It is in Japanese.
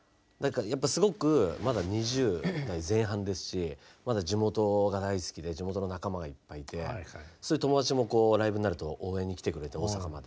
すごくまだ２０代前半ですし地元が大好きで地元の仲間がいっぱいいて友だちもライブになると応援に来てくれて大阪まで。